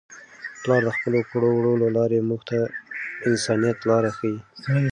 پلار د خپلو کړو وړو له لارې موږ ته د انسانیت لار ښيي.